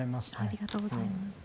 ありがとうございます。